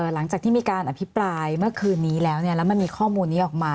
หลังจากที่มีการอภิปรายเมื่อคืนนี้แล้วแล้วมันมีข้อมูลนี้ออกมา